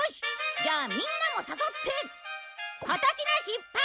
じゃあみんなも誘って今年の失敗。